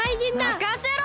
まかせろ！